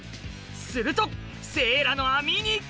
するとせいらの網に！